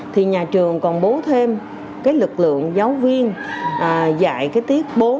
thì nhà trường còn bố thêm lực lượng giáo viên dạy tiết bố